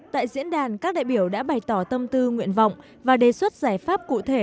tại diễn đàn các đại biểu đã bày tỏ tâm tư nguyện vọng và đề xuất giải pháp cụ thể